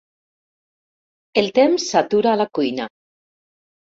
El temps s'atura a la cuina.